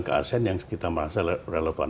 ke asean yang kita merasa relevan